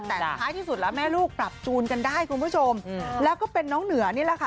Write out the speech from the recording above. แต่ท้ายที่สุดแล้วแม่ลูกปรับจูนกันได้คุณผู้ชมแล้วก็เป็นน้องเหนือนี่แหละค่ะ